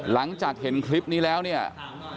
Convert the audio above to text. หลังจากเห็นคลิปนี้แล้วเนี่ยสามหน่อย